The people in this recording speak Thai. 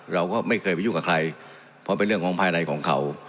เราก็ไม่เคยไปยุ่งกับใครเพราะเป็นเรื่องของภายในของเขา